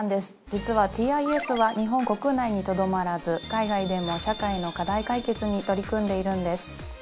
実はＴＩＳは日本国内にとどまらず海外でも社会の課題解決に取り組んでいるんです。